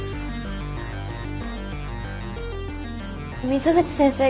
水口先生